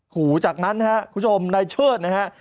หูจากนั้นค่ะคุณชมในเชิดนะครับ